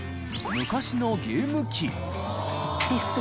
昔のゲーム機緑川）